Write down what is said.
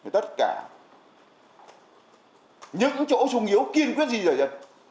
tất cả những chỗ sùng yếu kiên quyết gì rồi chứ